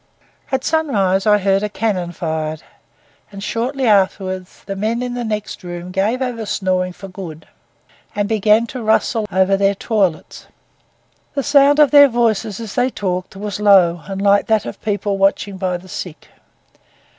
At sunrise I heard a cannon fired; and shortly afterwards the men in the next room gave over snoring for good, and began to rustle over their toilettes. The sound of their voices as they talked was low and like that of people watching by the sick.